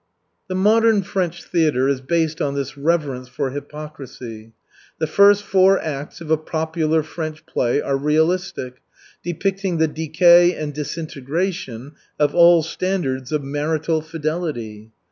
The modern French theatre is based on this reverence for hypocrisy. The first four acts of a popular French play are realistic, depicting the decay and disintegration of all standards of marital fidelity.